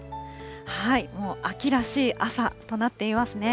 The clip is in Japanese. もう秋らしい朝となっていますね。